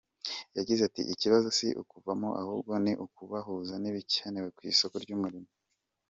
Yagize ati “Ikibazo si ukuvamo ahubwo ni ukubahuza n’ibikenewe ku isoko ry’umurimo.